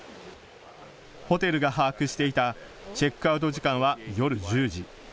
ホテルが把握していたチェックアウト時間は夜１０時。